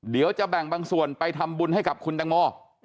เดี๋ยวจะแบ่งบางส่วนไปทำบุญให้กับคุณตังโม